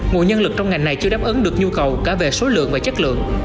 nguồn nhân lực trong ngành này chưa đáp ứng được nhu cầu cả về số lượng và chất lượng